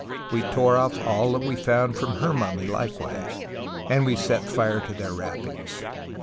We tore off all that we found from her munnny likewise, and we set fire to their wrappings.